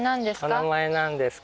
「お名前なんですか？」